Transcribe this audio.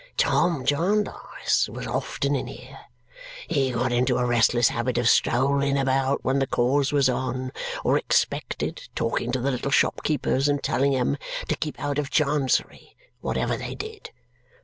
"Tom Jarndyce was often in here. He got into a restless habit of strolling about when the cause was on, or expected, talking to the little shopkeepers and telling 'em to keep out of Chancery, whatever they did.